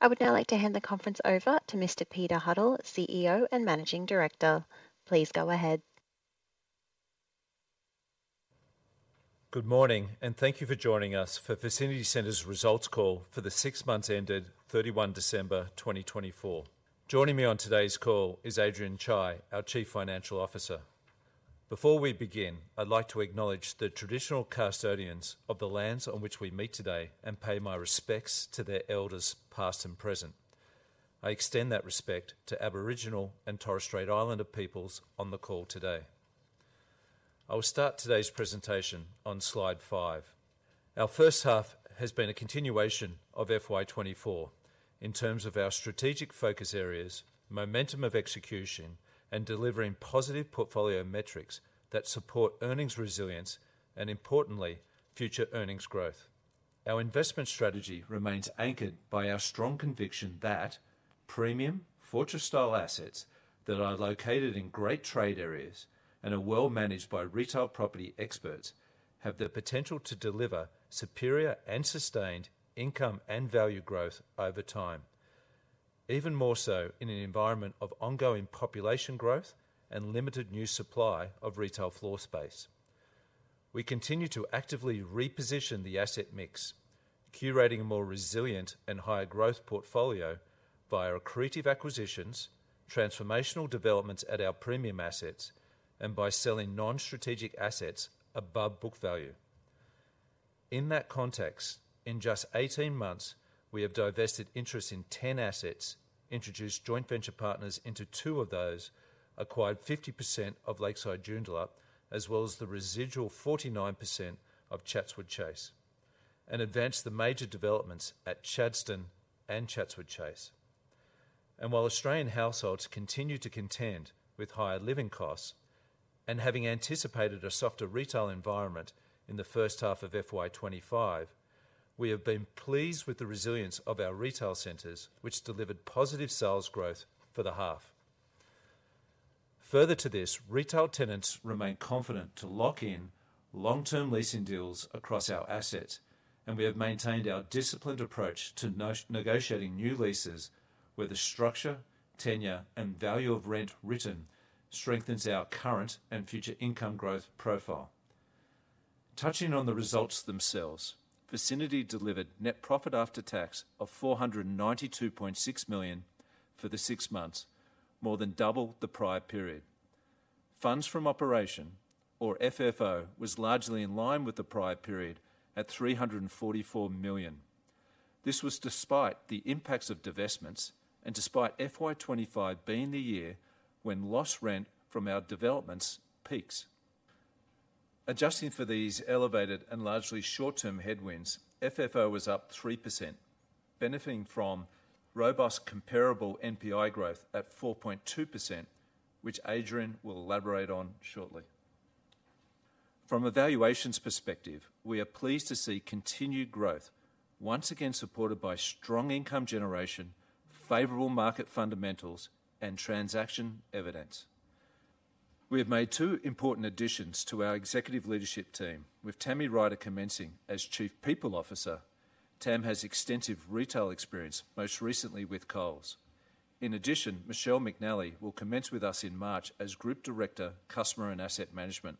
I would now like to hand the conference over to Mr. Peter Huddle, CEO and Managing Director. Please go ahead. Good morning, and thank you for joining us for Vicinity Centres' Results Call for the six months ended 31 December 2024. Joining me on today's call is Adrian Chye, our Chief Financial Officer. Before we begin, I'd like to acknowledge the Traditional Custodians of the lands on which we meet today and pay my respects to their elders past and present. I extend that respect to Aboriginal and Torres Strait Islander peoples on the call today. I will start today's presentation on Slide 5. Our first half has been a continuation of FY2024 in terms of our strategic focus areas, momentum of execution, and delivering positive portfolio metrics that support earnings resilience and, importantly, future earnings growth. Our investment strategy remains anchored by our strong conviction that premium fortress-style assets that are located in great trade areas and are well managed by retail property experts have the potential to deliver superior and sustained income and value growth over time, even more so in an environment of ongoing population growth and limited new supply of retail floor space. We continue to actively reposition the asset mix, curating a more resilient and higher growth portfolio via accretive acquisitions, transformational developments at our premium assets, and by selling non-strategic assets above book value. In that context, in just 18 months, we have divested interest in 10 assets, introduced joint venture partners into two of those, acquired 50% of Lakeside Joondalup, as well as the residual 49% of Chatswood Chase, and advanced the major developments at Chadstone and Chatswood Chase. While Australian households continue to contend with higher living costs and having anticipated a softer retail environment in the first half of FY2025, we have been pleased with the resilience of our retail centres, which delivered positive sales growth for the half. Further to this, retail tenants remain confident to lock in long-term leasing deals across our assets, and we have maintained our disciplined approach to negotiating new leases where the structure, tenure, and value of rent written strengthens our current and future income growth profile. Touching on the results themselves, Vicinity delivered net profit after tax of 492.6 million for the six months, more than double the prior period. Funds From Operations, or FFO, was largely in line with the prior period at 344 million. This was despite the impacts of divestments and despite FY2025 being the year when lost rent from our developments peaks. Adjusting for these elevated and largely short-term headwinds, FFO was up 3%, benefiting from robust comparable NPI growth at 4.2%, which Adrian will elaborate on shortly. From a valuations perspective, we are pleased to see continued growth, once again supported by strong income generation, favorable market fundamentals, and transaction evidence. We have made two important additions to our executive leadership team, with Tammy Ryder commencing as Chief People Officer. Tam has extensive retail experience, most recently with Coles. In addition, Michelle McNally will commence with us in March as Group Director, Customer and Asset Management.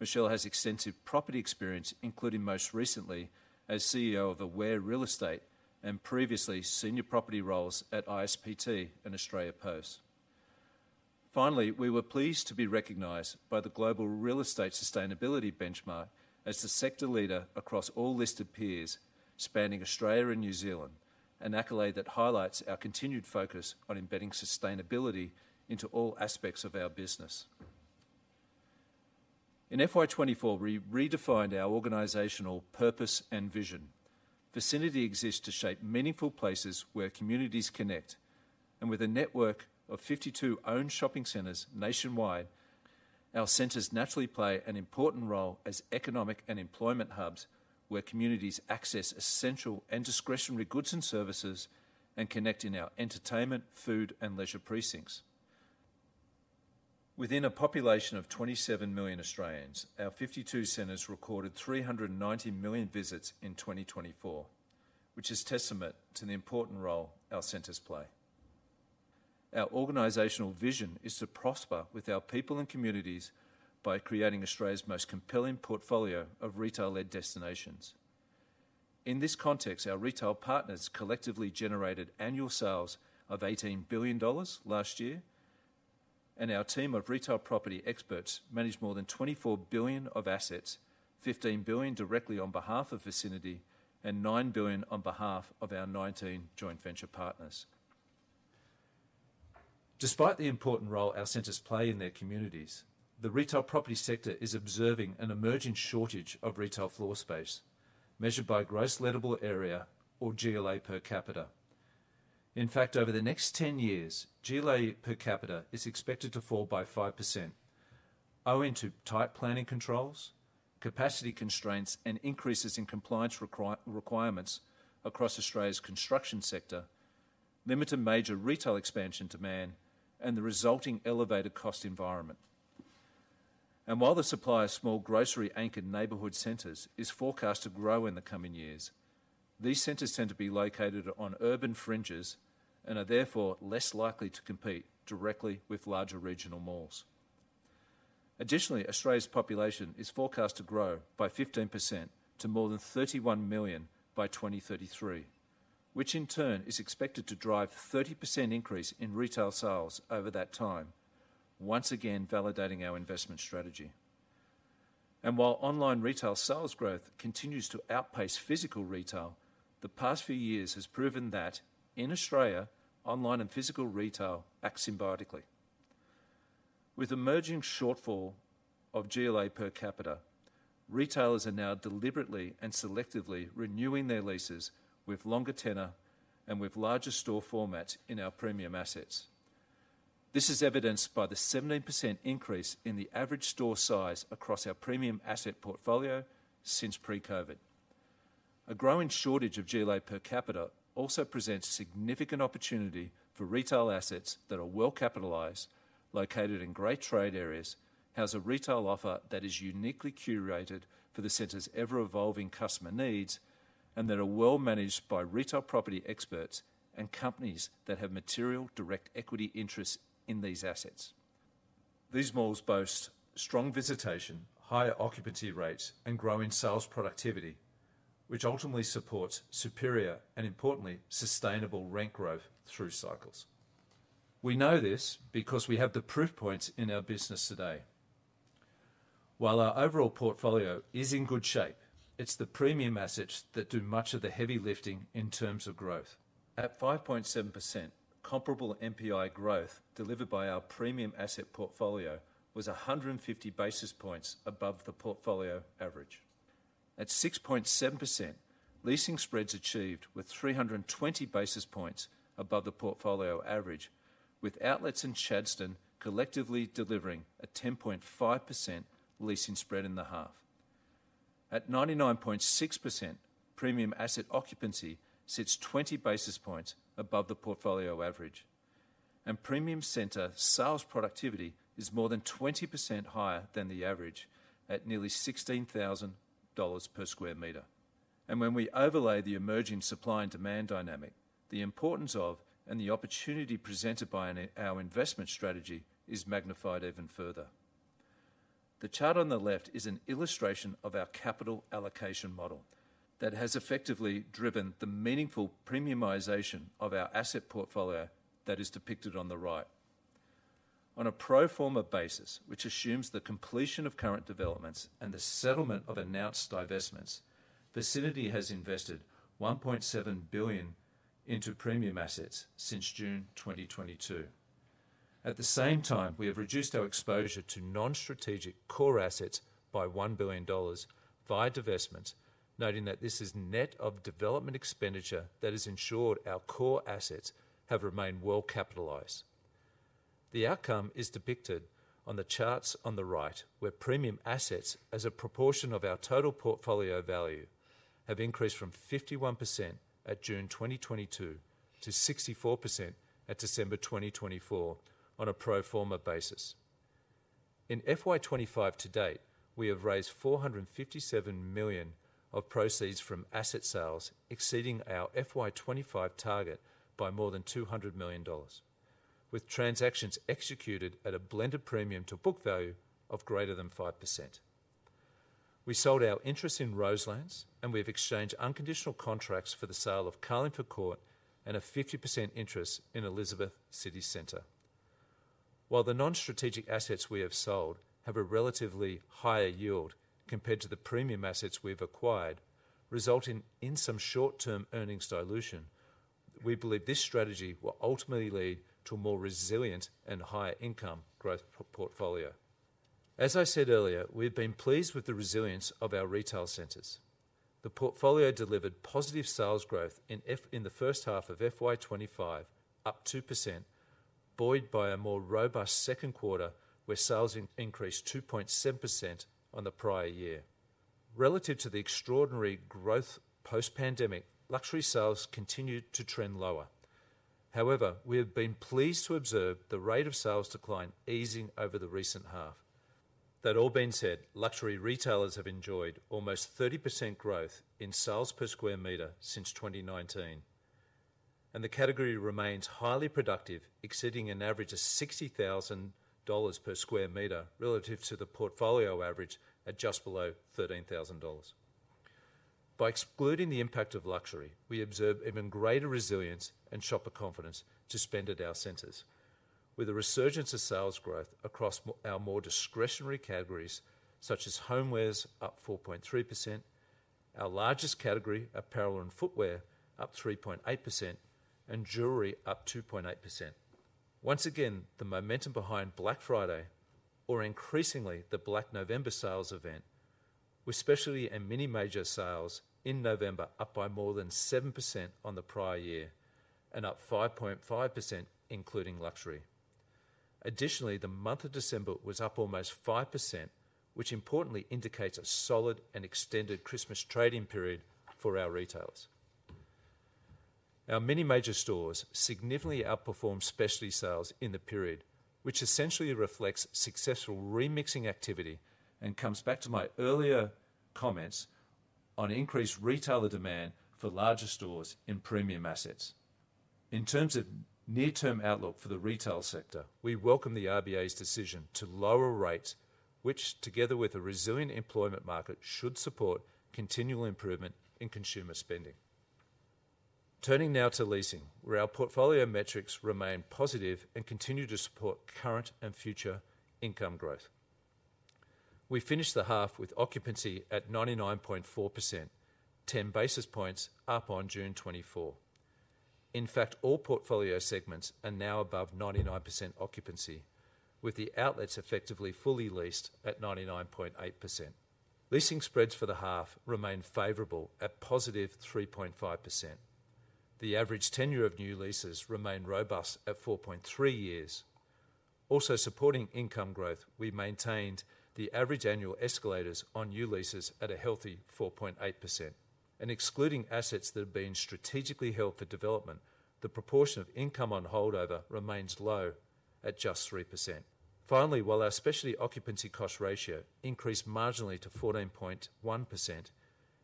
Michelle has extensive property experience, including most recently as CEO of Aware Real Estate and previously senior property roles at ISPT and Australia Post. Finally, we were pleased to be recognized by the Global Real Estate Sustainability Benchmark as the sector leader across all listed peers spanning Australia and New Zealand, an accolade that highlights our continued focus on embedding sustainability into all aspects of our business. In FY2024, we redefined our organizational purpose and vision. Vicinity exists to shape meaningful places where communities connect. And with a network of 52 owned shopping centers nationwide, our centers naturally play an important role as economic and employment hubs where communities access essential and discretionary goods and services and connect in our entertainment, food, and leisure precincts. Within a population of 27 million Australians, our 52 centers recorded 390 million visits in 2024, which is testament to the important role our centers play. Our organizational vision is to prosper with our people and communities by creating Australia's most compelling portfolio of retail-led destinations. In this context, our retail partners collectively generated annual sales of 18 billion dollars last year, and our team of retail property experts managed more than 24 billion of assets, 15 billion directly on behalf of Vicinity and 9 billion on behalf of our 19 joint venture partners. Despite the important role our centers play in their communities, the retail property sector is observing an emerging shortage of retail floor space, measured by gross lettable area, or GLA per capita. In fact, over the next 10 years, GLA per capita is expected to fall by 5%, owing to tight planning controls, capacity constraints, and increases in compliance requirements across Australia's construction sector, limited major retail expansion demand, and the resulting elevated cost environment. And while the supply of small grocery-anchored neighborhood centers is forecast to grow in the coming years, these centers tend to be located on urban fringes and are therefore less likely to compete directly with larger regional malls. Additionally, Australia's population is forecast to grow by 15% to more than 31 million by 2033, which in turn is expected to drive a 30% increase in retail sales over that time, once again validating our investment strategy. And while online retail sales growth continues to outpace physical retail, the past few years have proven that, in Australia, online and physical retail act symbiotically. With emerging shortfall of GLA per capita, retailers are now deliberately and selectively renewing their leases with longer tenure and with larger store formats in our premium assets. This is evidenced by the 17% increase in the average store size across our premium asset portfolio since pre-COVID. A growing shortage of GLA per capita also presents significant opportunity for retail assets that are well capitalized, located in great trade areas, have a retail offer that is uniquely curated for the centers' ever-evolving customer needs, and that are well managed by retail property experts and companies that have material direct equity interests in these assets. These malls boast strong visitation, higher occupancy rates, and growing sales productivity, which ultimately supports superior and, importantly, sustainable rent growth through cycles. We know this because we have the proof points in our business today. While our overall portfolio is in good shape, it's the premium assets that do much of the heavy lifting in terms of growth. At 5.7%, comparable NPI growth delivered by our premium asset portfolio was 150 basis points above the portfolio average. At 6.7%, leasing spreads achieved were 320 basis points above the portfolio average, with Outlets and Chadstone collectively delivering a 10.5% leasing spread in the half. At 99.6%, premium asset occupancy sits 20 basis points above the portfolio average, and premium center sales productivity is more than 20% higher than the average at nearly 16,000 dollars per square meter, and when we overlay the emerging supply and demand dynamic, the importance of and the opportunity presented by our investment strategy is magnified even further. The chart on the left is an illustration of our capital allocation model that has effectively driven the meaningful premiumization of our asset portfolio that is depicted on the right. On a pro forma basis, which assumes the completion of current developments and the settlement of announced divestments, Vicinity has invested 1.7 billion into premium assets since June 2022. At the same time, we have reduced our exposure to non-strategic core assets by 1 billion dollars via divestment, noting that this is net of development expenditure that has ensured our core assets have remained well capitalized. The outcome is depicted on the charts on the right, where premium assets, as a proportion of our total portfolio value, have increased from 51% at June 2022 to 64% at December 2024 on a pro forma basis. In FY2025 to date, we have raised 457 million of proceeds from asset sales exceeding our FY25 target by more than 200 million dollars, with transactions executed at a blended premium to book value of greater than 5%. We sold our interest in Roselands, and we have exchanged unconditional contracts for the sale of Carlingford Court and a 50% interest in Elizabeth City Centre. While the non-strategic assets we have sold have a relatively higher yield compared to the premium assets we have acquired, resulting in some short-term earnings dilution, we believe this strategy will ultimately lead to a more resilient and higher income growth portfolio. As I said earlier, we have been pleased with the resilience of our retail centres. The portfolio delivered positive sales growth in the first half of FY25, up 2%, buoyed by a more robust second quarter where sales increased 2.7% on the prior year. Relative to the extraordinary growth post-pandemic, luxury sales continued to trend lower. However, we have been pleased to observe the rate of sales decline easing over the recent half. That all being said, luxury retailers have enjoyed almost 30% growth in sales per square meter since 2019, and the category remains highly productive, exceeding an average of 60,000 dollars per square meter relative to the portfolio average at just below 13,000 dollars. By excluding the impact of luxury, we observe even greater resilience and shopper confidence to spend at our centers. With the resurgence of sales growth across our more discretionary categories, such as homewares, up 4.3%, our largest category, apparel and footwear, up 3.8%, and jewellery, up 2.8%. Once again, the momentum behind Black Friday, or increasingly the Black November sales event, with specialty and mini major sales in November up by more than 7% on the prior year and up 5.5%, including luxury. Additionally, the month of December was up almost 5%, which importantly indicates a solid and extended Christmas trading period for our retailers. Our mini major stores significantly outperformed specialty sales in the period, which essentially reflects successful remixing activity and comes back to my earlier comments on increased retailer demand for larger stores in premium assets. In terms of near-term outlook for the retail sector, we welcome the RBA's decision to lower rates, which, together with a resilient employment market, should support continual improvement in consumer spending. Turning now to leasing, where our portfolio metrics remain positive and continue to support current and future income growth. We finished the half with occupancy at 99.4%, 10 basis points up on June 24. In fact, all portfolio segments are now above 99% occupancy, with the outlets effectively fully leased at 99.8%. Leasing spreads for the half remain favorable at positive 3.5%. The average tenure of new leases remained robust at 4.3 years. Also supporting income growth, we maintained the average annual escalators on new leases at a healthy 4.8%. And excluding assets that have been strategically held for development, the proportion of income on holdover remains low at just 3%. Finally, while our specialty occupancy cost ratio increased marginally to 14.1%,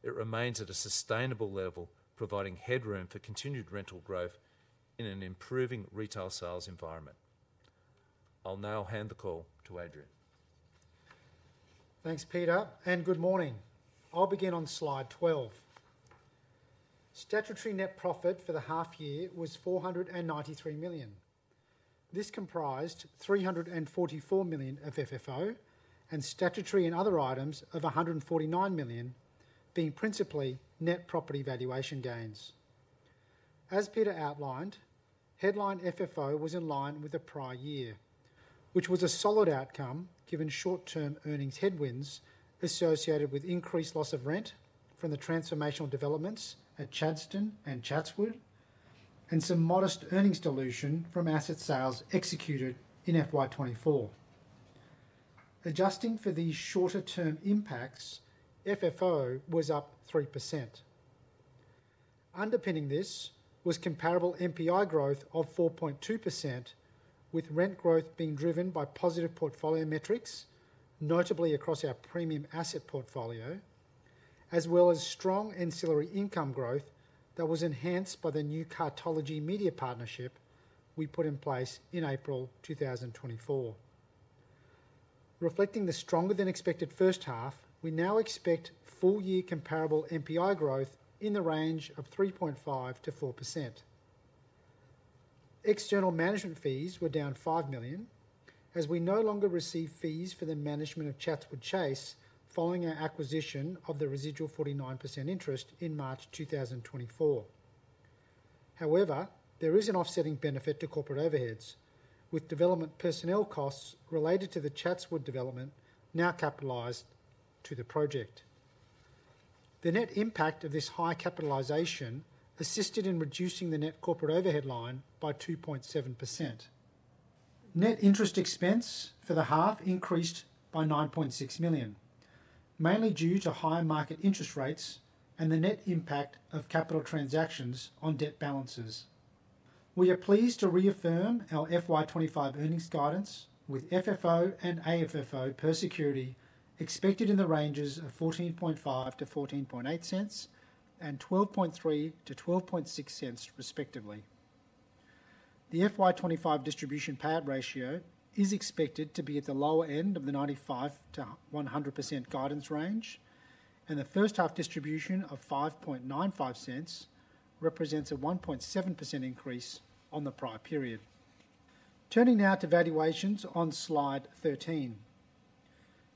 it remains at a sustainable level, providing headroom for continued rental growth in an improving retail sales environment. I'll now hand the call to Adrian. Thanks, Peter, and good morning. I'll begin on Slide 12. Statutory net profit for the half year was 493 million. This comprised 344 million of FFO and statutory and other items of 149 million, being principally net property valuation gains. As Peter outlined, headline FFO was in line with the prior year, which was a solid outcome given short-term earnings headwinds associated with increased loss of rent from the transformational developments at Chadstone and Chatswood and some modest earnings dilution from asset sales executed in FY2024. Adjusting for these shorter-term impacts, FFO was up 3%. Underpinning this was comparable NPI growth of 4.2%, with rent growth being driven by positive portfolio metrics, notably across our premium asset portfolio, as well as strong ancillary income growth that was enhanced by the new Cartology media partnership we put in place in April 2024. Reflecting the stronger-than-expected first half, we now expect full-year comparable NPI growth in the range of 3.5% to 4%. External management fees were down 5 million, as we no longer receive fees for the management of Chatswood Chase following our acquisition of the residual 49% interest in March 2024. However, there is an offsetting benefit to corporate overheads, with development personnel costs related to the Chatswood development now capitalized to the project. The net impact of this high capitalization assisted in reducing the net corporate overhead line by 2.7%. Net interest expense for the half increased by 9.6 million, mainly due to high market interest rates and the net impact of capital transactions on debt balances. We are pleased to reaffirm our FY2025 earnings guidance, with FFO and AFFO per security expected in the ranges of 14.5%-14.8% and 12.3%-12.6%, respectively. The FY2025 distribution payout ratio is expected to be at the lower end of the 95%-100% guidance range, and the first half distribution of 5.95% represents a 1.7% increase on the prior period. Turning now to valuations on Slide 13.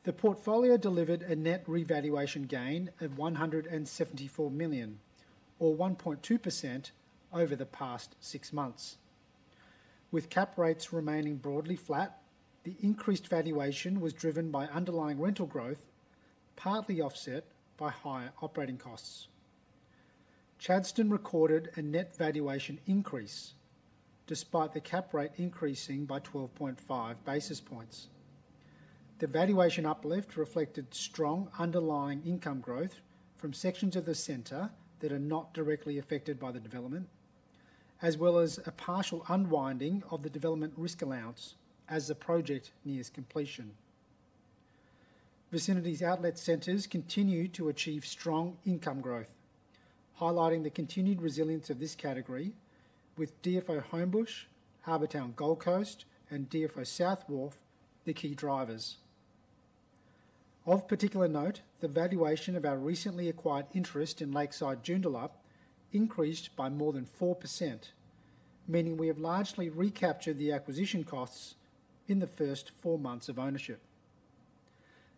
The portfolio delivered a net revaluation gain of 174 million, or 1.2%, over the past six months. With cap rates remaining broadly flat, the increased valuation was driven by underlying rental growth, partly offset by higher operating costs. Chadstone recorded a net valuation increase despite the cap rate increasing by 12.5 basis points. The valuation uplift reflected strong underlying income growth from sections of the center that are not directly affected by the development, as well as a partial unwinding of the development risk allowance as the project nears completion. Vicinity's Outlet Centres continue to achieve strong income growth, highlighting the continued resilience of this category, with DFO Homebush, Harbour Town Gold Coast, and DFO South Wharf the key drivers. Of particular note, the valuation of our recently acquired interest in Lakeside Joondalup increased by more than 4%, meaning we have largely recaptured the acquisition costs in the first four months of ownership.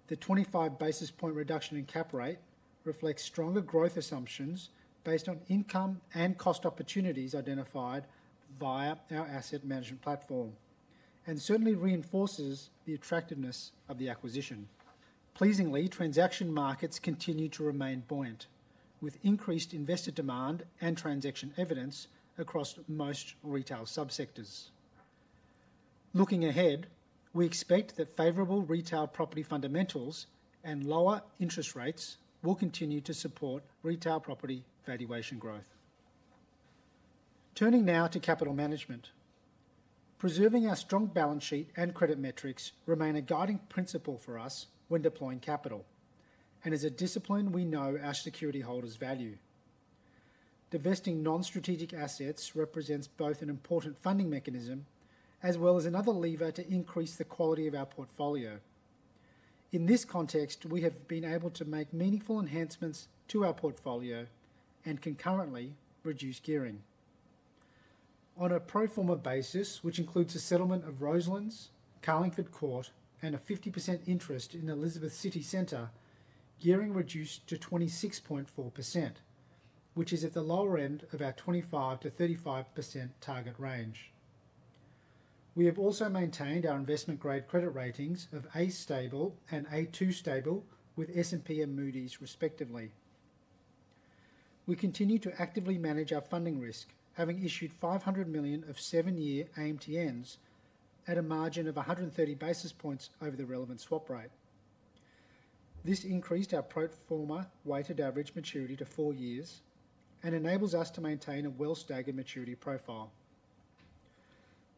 The 25 basis point reduction in cap rate reflects stronger growth assumptions based on income and cost opportunities identified via our asset management platform and certainly reinforces the attractiveness of the acquisition. Pleasingly, transaction markets continue to remain buoyant, with increased investor demand and transaction evidence across most retail subsectors. Looking ahead, we expect that favorable retail property fundamentals and lower interest rates will continue to support retail property valuation growth. Turning now to capital management. Preserving our strong balance sheet and credit metrics remains a guiding principle for us when deploying capital, and is a discipline we know our security holders value. Divesting non-strategic assets represents both an important funding mechanism as well as another lever to increase the quality of our portfolio. In this context, we have been able to make meaningful enhancements to our portfolio and concurrently reduce gearing. On a pro forma basis, which includes the settlement of Roselands, Carlingford Court, and a 50% interest in Elizabeth City Centre, gearing reduced to 26.4%, which is at the lower end of our 25%-35% target range. We have also maintained our investment-grade credit ratings of A stable and A2 stable with S&P and Moody's, respectively. We continue to actively manage our funding risk, having issued 500 million of seven-year AMTNs at a margin of 130 basis points over the relevant swap rate. This increased our pro forma weighted average maturity to four years and enables us to maintain a well-staggered maturity profile.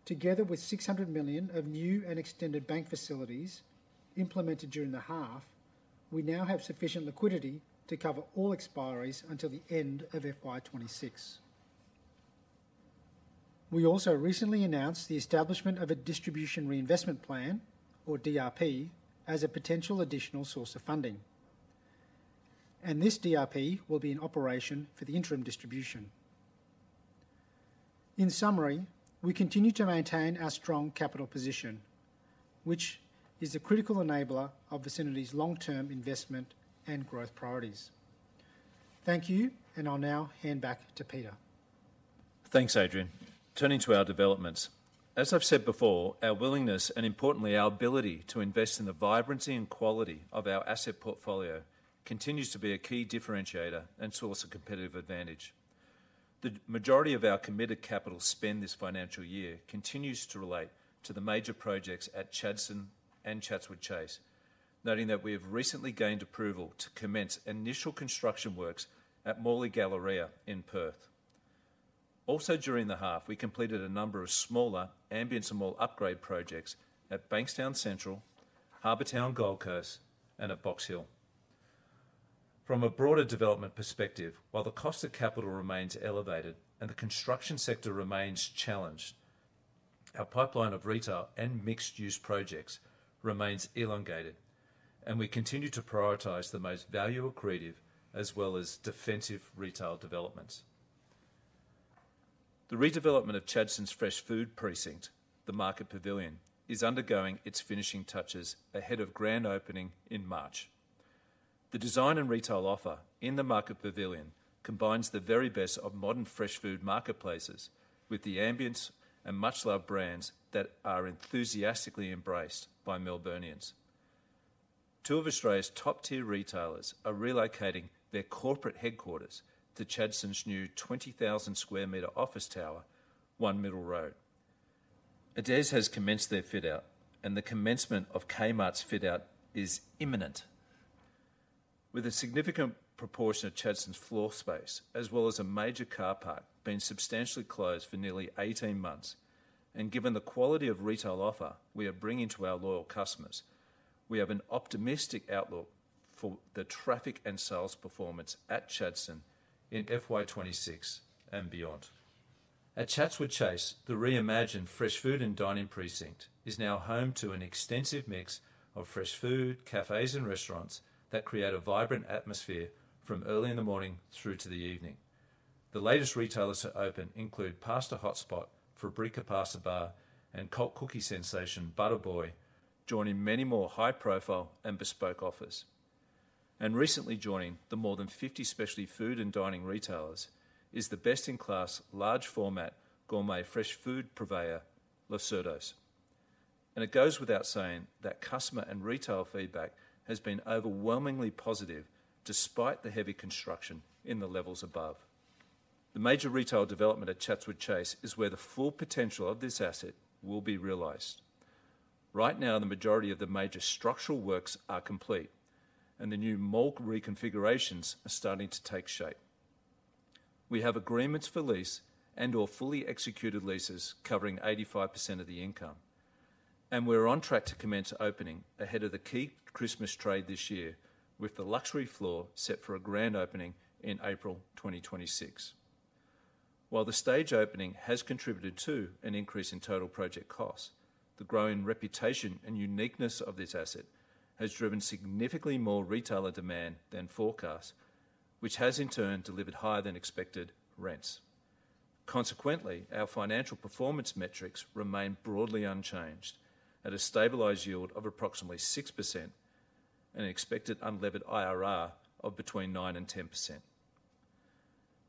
Together with 600 million of new and extended bank facilities implemented during the half, we now have sufficient liquidity to cover all expiries until the end of FY26. We also recently announced the establishment of a distribution reinvestment plan, or DRP, as a potential additional source of funding, and this DRP will be in operation for the interim distribution. In summary, we continue to maintain our strong capital position, which is a critical enabler of Vicinity's long-term investment and growth priorities. Thank you, and I'll now hand back to Peter. Thanks, Adrian. Turning to our developments. As I've said before, our willingness and, importantly, our ability to invest in the vibrancy and quality of our asset portfolio continues to be a key differentiator and source of competitive advantage. The majority of our committed capital spend this financial year continues to relate to the major projects at Chadstone and Chatswood Chase, noting that we have recently gained approval to commence initial construction works at Morley Galleria in Perth. Also, during the half, we completed a number of smaller ambient and more upgrade projects at Bankstown Central, Harbour Town Gold Coast, and at Box Hill. From a broader development perspective, while the cost of capital remains elevated and the construction sector remains challenged, our pipeline of retail and mixed-use projects remains elongated, and we continue to prioritize the most value-accretive as well as defensive retail developments. The redevelopment of Chadstone's Fresh Food Precinct, the Market Pavilion, is undergoing its finishing touches ahead of grand opening in March. The design and retail offer in the Market Pavilion combines the very best of modern fresh food marketplaces with the ambience and much-loved brands that are enthusiastically embraced by Melburnians. Two of Australia's top-tier retailers are relocating their corporate headquarters to Chadstone's new 20,000 square-meter office tower, One Middle Road. Adairs has commenced their fit-out, and the commencement of Kmart's fit-out is imminent. With a significant proportion of Chadstone's floor space, as well as a major car park being substantially closed for nearly 18 months, and given the quality of retail offer we are bringing to our loyal customers, we have an optimistic outlook for the traffic and sales performance at Chadstone in FY2026 and beyond. At Chatswood Chase, the reimagined Fresh Food and Dining Precinct is now home to an extensive mix of fresh food, cafes, and restaurants that create a vibrant atmosphere from early in the morning through to the evening. The latest retailers to open include pasta hotspot Farro La Brigata Pasta Bar and cult cookie sensation Butterboy, joining many more high-profile and bespoke offers. And recently joining the more than 50 specialty food and dining retailers is the best-in-class large-format gourmet fresh food purveyor, LoSurdo's. And it goes without saying that customer and retail feedback has been overwhelmingly positive despite the heavy construction in the levels above. The major retail development at Chatswood Chase is where the full potential of this asset will be realized. Right now, the majority of the major structural works are complete, and the new core reconfigurations are starting to take shape. We have agreements for lease and/or fully executed leases covering 85% of the income, and we're on track to commence opening ahead of the key Christmas trade this year, with the luxury floor set for a grand opening in April 2026. While the stage opening has contributed to an increase in total project costs, the growing reputation and uniqueness of this asset has driven significantly more retailer demand than forecast, which has in turn delivered higher-than-expected rents. Consequently, our financial performance metrics remain broadly unchanged at a stabilized yield of approximately 6% and an expected unlevered IRR of between 9% and 10%.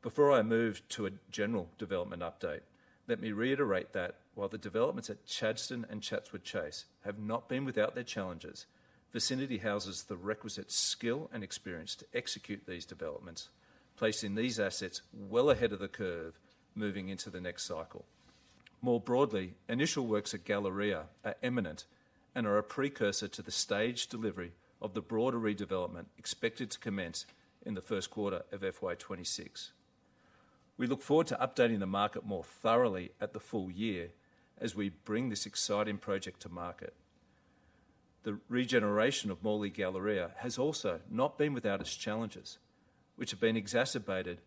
Before I move to a general development update, let me reiterate that while the developments at Chadstone and Chatswood Chase have not been without their challenges, Vicinity houses the requisite skill and experience to execute these developments, placing these assets well ahead of the curve moving into the next cycle. More broadly, initial works at Galleria are imminent and are a precursor to the stage delivery of the broader redevelopment expected to commence in the first quarter of FY2026. We look forward to updating the market more thoroughly at the full year as we bring this exciting project to market. The regeneration of Morley Galleria has also not been without its challenges, which have been exacerbated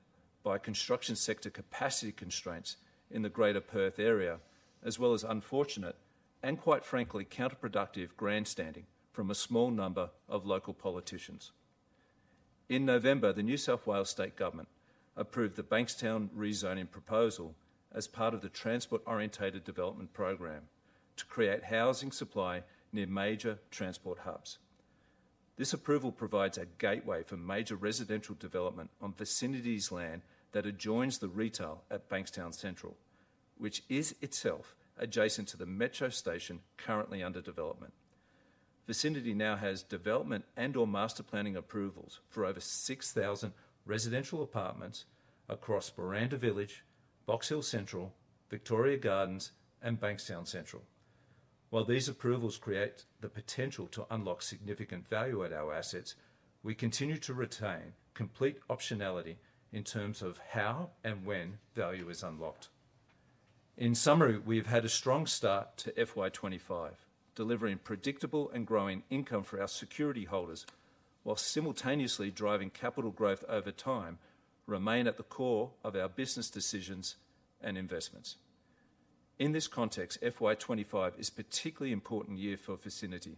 by construction sector capacity constraints in the greater Perth area, as well as unfortunate and, quite frankly, counterproductive grandstanding from a small number of local politicians. In November, the New South Wales State Government approved the Bankstown rezoning proposal as part of the Transport Oriented Development Program to create housing supply near major transport hubs. This approval provides a gateway for major residential development on Vicinity's land that adjoins the retail at Bankstown Central, which is itself adjacent to the metro station currently under development. Vicinity now has development and/or master planning approvals for over 6,000 residential apartments across Buranda Village, Box Hill Central, Victoria Gardens, and Bankstown Central. While these approvals create the potential to unlock significant value at our assets, we continue to retain complete optionality in terms of how and when value is unlocked. In summary, we have had a strong start to FY2025, delivering predictable and growing income for our security holders while simultaneously driving capital growth over time remain at the core of our business decisions and investments. In this context, FY2025 is a particularly important year for Vicinity.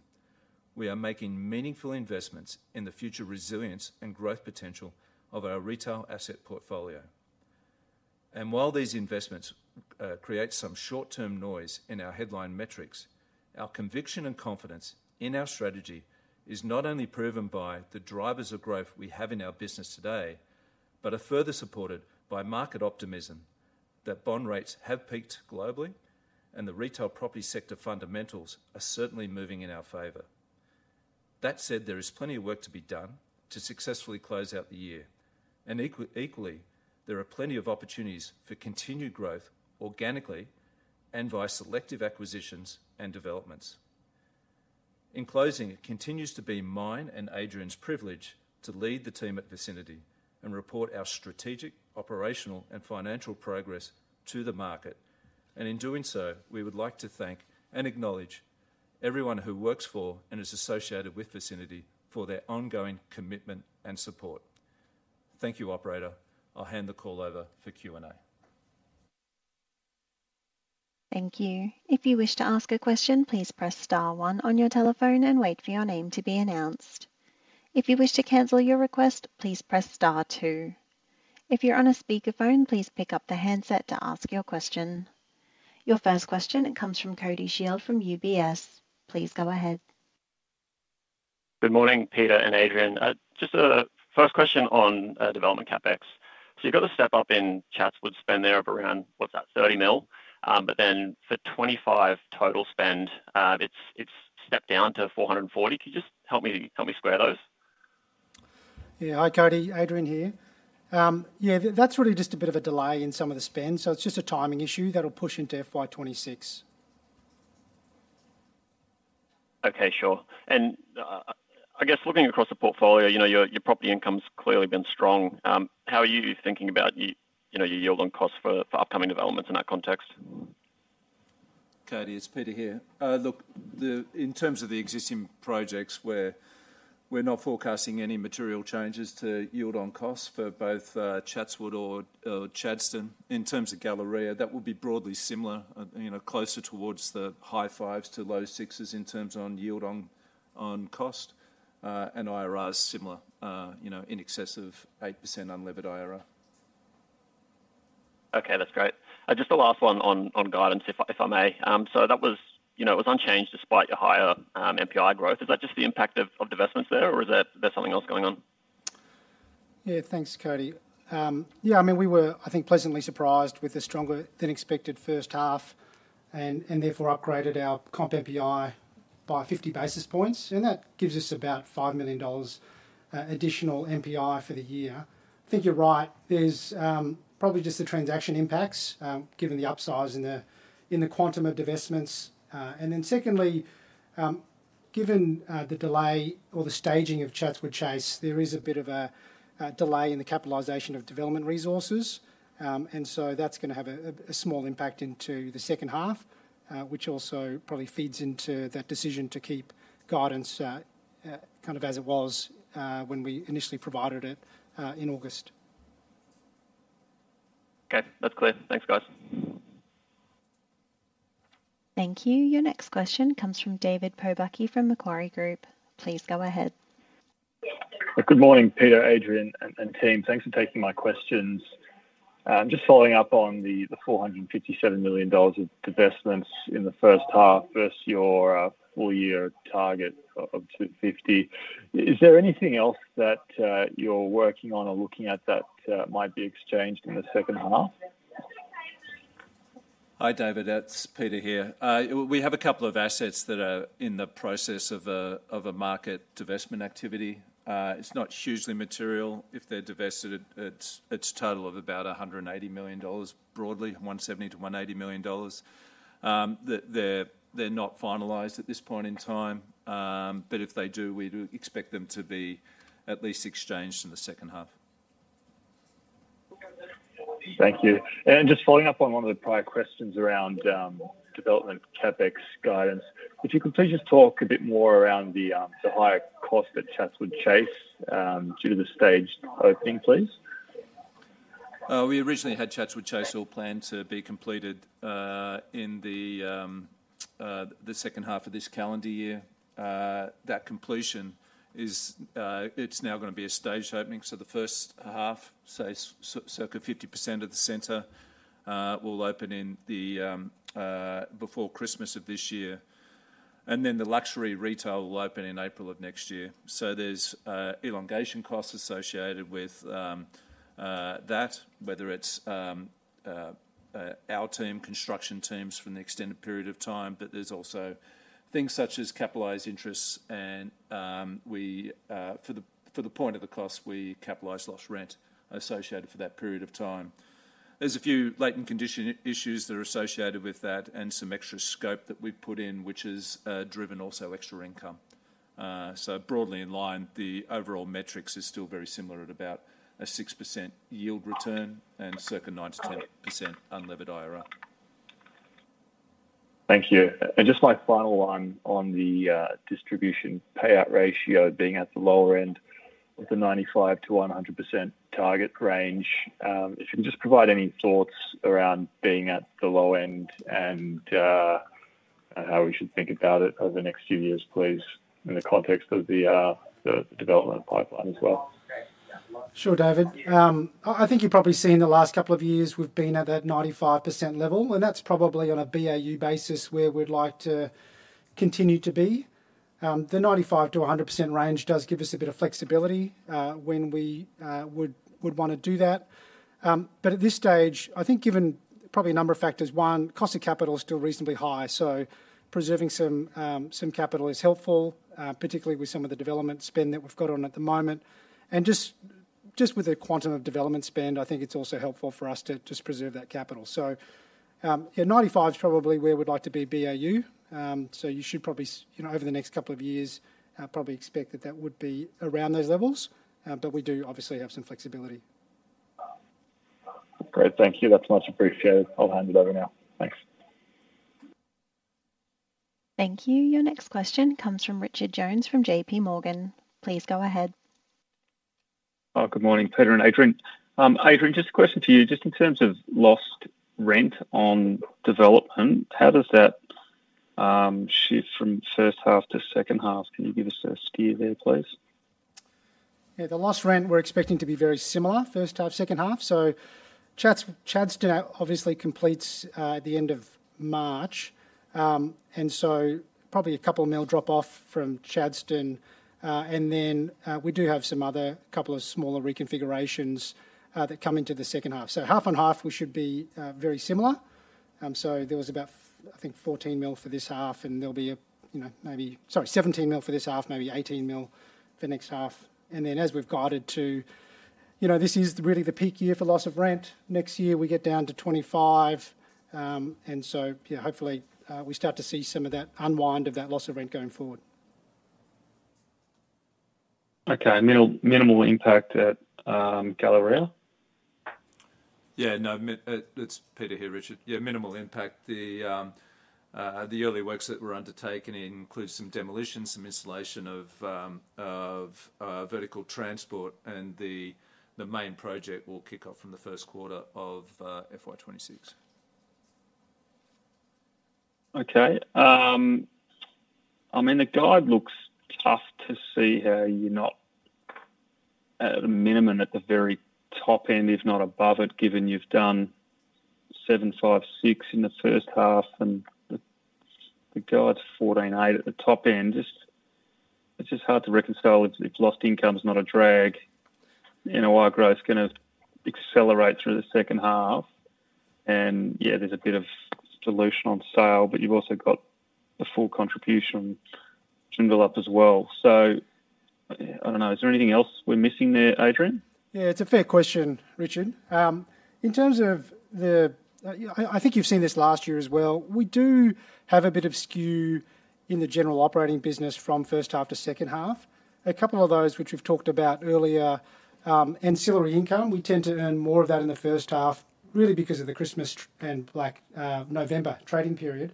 We are making meaningful investments in the future resilience and growth potential of our retail asset portfolio, and while these investments create some short-term noise in our headline metrics, our conviction and confidence in our strategy is not only proven by the drivers of growth we have in our business today, but are further supported by market optimism that bond rates have peaked globally and the retail property sector fundamentals are certainly moving in our favor. That said, there is plenty of work to be done to successfully close out the year, and equally, there are plenty of opportunities for continued growth organically and via selective acquisitions and developments. In closing, it continues to be mine and Adrian's privilege to lead the team at Vicinity and report our strategic, operational, and financial progress to the market. In doing so, we would like to thank and acknowledge everyone who works for and is associated with Vicinity for their ongoing commitment and support. Thank you, Operator. I'll hand the call over for Q&A. Thank you. If you wish to ask a question, please press star one on your telephone and wait for your name to be announced. If you wish to cancel your request, please press star two. If you're on a speakerphone, please pick up the handset to ask your question. Your first question comes from Cody Scheil from UBS. Please go ahead. Good morning, Peter and Adrian. Just a first question on development CapEx. So you've got the step-up in Chatswood spend there of around, what's that, 30 mil, but then for 25 total spend, it's stepped down to 440. Can you just help me square those? Yeah. Hi, Cody. Adrian here. Yeah, that's really just a bit of a delay in some of the spend, so it's just a timing issue that'll push into FY2026. Okay, sure. And I guess looking across the portfolio, your property income's clearly been strong. How are you thinking about your yield on costs for upcoming developments in that context? Cody, it's Peter here. Look, in terms of the existing projects, we're not forecasting any material changes to yield on costs for both Chatswood or Chadstone. In terms of Galleria, that would be broadly similar, closer towards the high fives to low sixes in terms of yield on cost, and IRR is similar, in excess of 8% unlevered IRR. Okay, that's great. Just the last one on guidance, if I may. So that was unchanged despite your higher MPI growth. Is that just the impact of divestments there, or is there something else going on? Yeah, thanks, Cody. Yeah, I mean, we were, I think, pleasantly surprised with a stronger-than-expected first half and therefore upgraded our comp MPI by 50 basis points, and that gives us about 5 million dollars additional MPI for the year. I think you're right. There's probably just the transaction impacts given the upsize in the quantum of divestments. And then secondly, given the delay or the staging of Chatswood Chase, there is a bit of a delay in the capitalization of development resources, and so that's going to have a small impact into the second half, which also probably feeds into that decision to keep guidance kind of as it was when we initially provided it in August. Okay, that's clear. Thanks, guys. Thank you. Your next question comes from David Pobucky from Macquarie Group. Please go ahead. Good morning, Peter, Adrian, and team. Thanks for taking my questions. Just following up on the $457 million of divestments in the first half versus your full-year target of $250 million. Is there anything else that you're working on or looking at that might be exchanged in the second half? Hi, David. It's Peter here. We have a couple of assets that are in the process of a market divestment activity. It's not hugely material if they're divested. It's a total of about $180 million broadly, $170-$180 million. They're not finalized at this point in time, but if they do, we do expect them to be at least exchanged in the second half. Thank you. And just following up on one of the prior questions around development CapEx guidance, if you could please just talk a bit more around the higher cost at Chatswood Chase due to the stage opening, please. We originally had Chatswood Chase all planned to be completed in the second half of this calendar year. That completion, it's now going to be a stage opening, so the first half, so circa 50% of the center will open before Christmas of this year, and then the luxury retail will open in April of next year, so there's elongation costs associated with that, whether it's our team, construction teams for an extended period of time, but there's also things such as capitalized interests, and for the point of the cost, we capitalize lost rent associated for that period of time. There's a few latent condition issues that are associated with that and some extra scope that we've put in, which has driven also extra income, so broadly in line, the overall metrics are still very similar at about a 6% yield return and circa 9%-10% unlevered IRR. Thank you. And just my final line on the distribution payout ratio being at the lower end of the 95%-100% target range. If you can just provide any thoughts around being at the low end and how we should think about it over the next few years, please, in the context of the development pipeline as well. Sure, David. I think you've probably seen the last couple of years we've been at that 95% level, and that's probably on a BAU basis where we'd like to continue to be. The 95%-100% range does give us a bit of flexibility when we would want to do that. But at this stage, I think given probably a number of factors, one, cost of capital is still reasonably high, so preserving some capital is helpful, particularly with some of the development spend that we've got on at the moment. Just with the quantum of development spend, I think it's also helpful for us to just preserve that capital. Yeah, 95 is probably where we'd like to be BAU. You should probably, over the next couple of years, probably expect that that would be around those levels, but we do obviously have some flexibility. Great. Thank you. That's much appreciated. I'll hand it over now. Thanks. Thank you. Your next question comes from Richard Jones from JP Morgan. Please go ahead. Good morning, Peter and Adrian. Adrian, just a question for you. Just in terms of lost rent on development, how does that shift from first half to second half? Can you give us a skew there, please? Yeah, the lost rent, we're expecting to be very similar, first half, second half. So Chadstone obviously completes at the end of March, and so probably a couple of mil drop off from Chadstone. And then we do have some other couple of smaller reconfigurations that come into the second half. So half on half, we should be very similar. So there was about, I think, 14 mil for this half, and there'll be maybe, sorry, 17 mil for this half, maybe 18 mil for the next half. And then as we've guided to, this is really the peak year for loss of rent. Next year, we get down to 25. And so yeah, hopefully we start to see some of that unwind of that loss of rent going forward. Okay. Minimal impact at Galleria? Yeah, no, it's Peter here, Richard. Yeah, minimal impact. The early works that were undertaken include some demolition, some installation of vertical transport, and the main project will kick off from the first quarter of FY2026. Okay. I mean, the guide looks tough to see how you're not at a minimum at the very top end, if not above it, given you've done 7.5, 6 in the first half, and the guide's 14.8 at the top end. It's just hard to reconcile. If lost income's not a drag, NOI growth's going to accelerate through the second half. And yeah, there's a bit of dilution on sale, but you've also got the full contribution to NPI as well. So I don't know. Is there anything else we're missing there, Adrian? Yeah, it's a fair question, Richard. In terms of the, I think you've seen this last year as well, we do have a bit of skew in the general operating business from first half to second half. A couple of those which we've talked about earlier, ancillary income, we tend to earn more of that in the first half, really because of the Christmas and November trading period,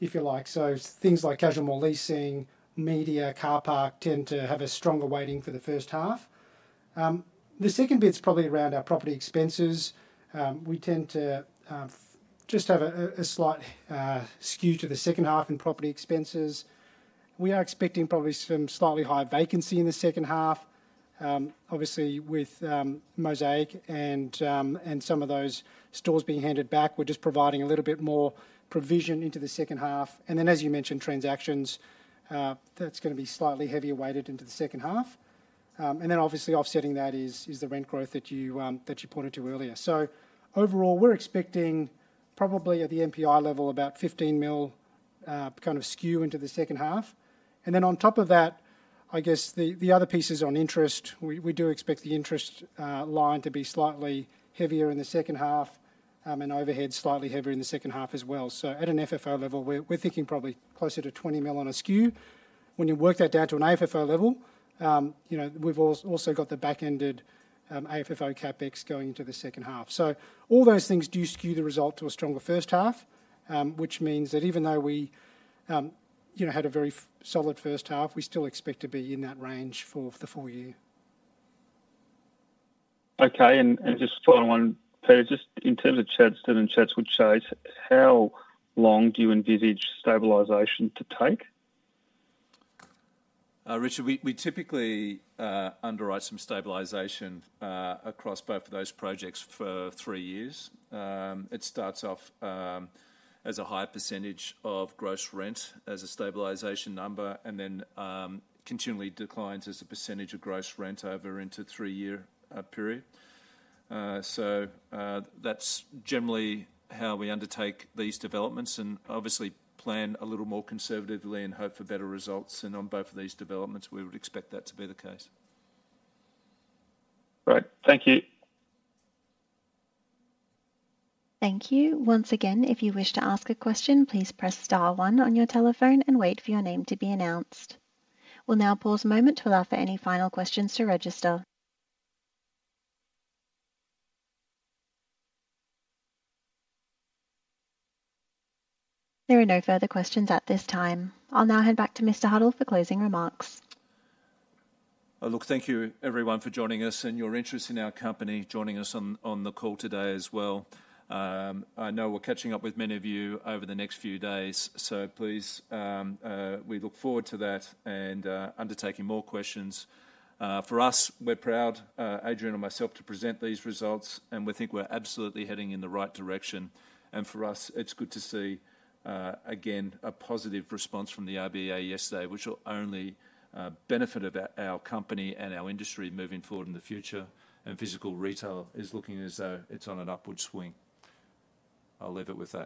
if you like. So things like casual mall leasing, media, car park tend to have a stronger weighting for the first half. The second bit's probably around our property expenses. We tend to just have a slight skew to the second half in property expenses. We are expecting probably some slightly higher vacancy in the second half, obviously with Mosaic and some of those stores being handed back. We're just providing a little bit more provision into the second half. And then, as you mentioned, transactions. That's going to be slightly heavier weighted into the second half. And then obviously offsetting that is the rent growth that you pointed to earlier. So overall, we're expecting probably at the NPI level about 15 million kind of skew into the second half. And then on top of that, I guess the other pieces on interest. We do expect the interest line to be slightly heavier in the second half and overhead slightly heavier in the second half as well. So at an FFO level, we're thinking probably closer to 20 million on a skew. When you work that down to an AFFO level, we've also got the back-ended AFFO CapEx going into the second half. So all those things do skew the result to a stronger first half, which means that even though we had a very solid first half, we still expect to be in that range for the full year. Okay. And just following on, Peter, just in terms of Chadstone and Chatswood Chase, how long do you envisage stabilization to take? Richard, we typically underwrite some stabilization across both of those projects for three years. It starts off as a high percentage of gross rent as a stabilization number and then continually declines as a percentage of gross rent over into a three-year period. So that's generally how we undertake these developments and obviously plan a little more conservatively and hope for better results. And on both of these developments, we would expect that to be the case. Great. Thank you. Thank you. Once again, if you wish to ask a question, please press star one on your telephone and wait for your name to be announced. We'll now pause a moment to allow for any final questions to register. There are no further questions at this time. I'll now hand back to Mr. Huddle for closing remarks. Look, thank you everyone for joining us and your interest in our company, joining us on the call today as well. I know we're catching up with many of you over the next few days, so please, we look forward to that and undertaking more questions. For us, we're proud, Adrian and myself, to present these results, and we think we're absolutely heading in the right direction. For us, it's good to see again a positive response from the RBA yesterday, which will only benefit our company and our industry moving forward in the future. Physical retail is looking as though it's on an upward swing. I'll leave it with that.